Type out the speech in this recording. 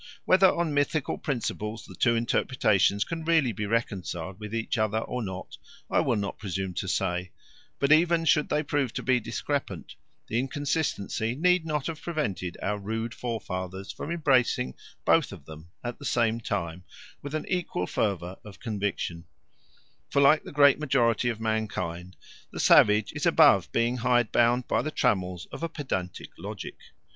Whether on mythical principles the two interpretations can really be reconciled with each other or not, I will not presume to say; but even should they prove to be discrepant, the inconsistency need not have prevented our rude forefathers from embracing both of them at the same time with an equal fervour of conviction; for like the great majority of mankind the savage is above being hidebound by the trammels of a pedantic logic.